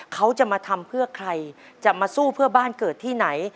เขาจะมาทำเพื่อใครจะมาสู้เพื่อบ้านเกิดที่ไหน